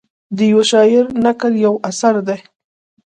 د یوه شاعر نکل یو اثر دی.